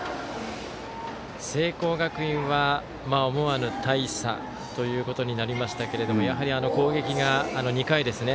聖光学院は思わぬ大差ということになりましたけれどもやはり攻撃が、２回ですね。